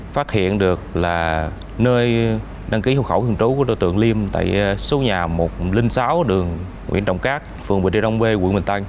phát hiện được là nơi đăng ký hộ khẩu thường trú của đối tượng liêm tại số nhà một trăm linh sáu đường nguyễn trọng cát phường bình trị đông bê quận bình tân